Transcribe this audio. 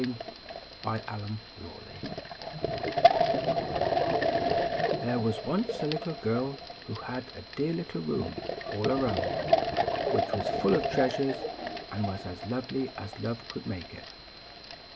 XXI THE CLOSING DOOR THERE was once a little girl, who had a dear little room, all her own, which was full of treasures, and was as lovely as love could make it.